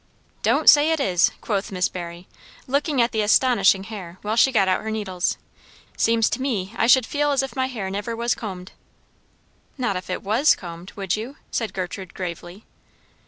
"Don't say it is!" quoth Miss Barry, looking at the astonishing hair while she got out her needles. "Seems to me I should feel as if my hair never was combed." "Not if it was combed, would you?" said Gertrude gravely.